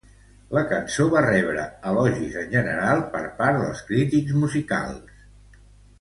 La cançó va rebre elogis en general per part dels crítics musicals.